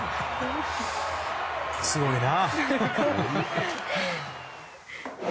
すごいな。